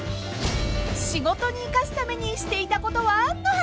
［仕事に生かすためにしていたことは？の話］